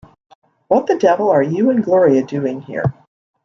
What the devil are you and Gloria doing here?